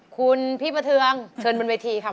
คุณพี่ประเทืองเชิญบนเวทีค่ะ